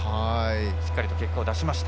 しっかりと結果を出しました。